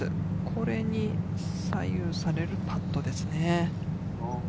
これに左右されるパットですね。